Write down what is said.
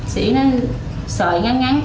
sợi yến nó sợi ngắn ngắn